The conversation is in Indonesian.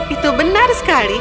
itu benar sekali